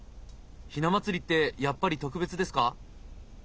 ひな祭りってやっぱり特別ですか？